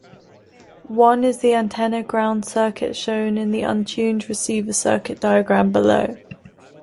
One is the antenna-ground circuit shown in the untuned receiver circuit diagram below.